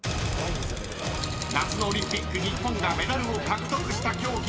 ［夏のオリンピック日本がメダルを獲得した競技］